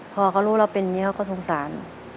พ่อเขารู้เราเป็นแม่เขาก็สงสาร